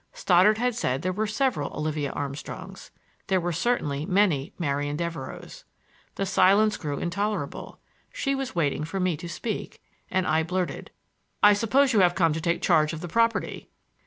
Stoddard had said there were several Olivia Armstrongs; there were certainly many Marian Devereuxs. The silence grew intolerable; she was waiting for me to speak, and I blurted: "I suppose you have come to take charge of the property."